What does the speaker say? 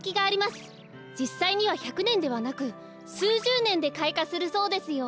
じっさいには１００ねんではなくすうじゅうねんでかいかするそうですよ。